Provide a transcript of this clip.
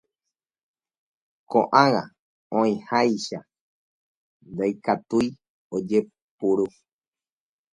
Koʼág̃a oĩháicha ndikatúi ojepuru.